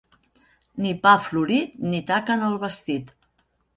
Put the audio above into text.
Ni pa florit ni taca en el vestit.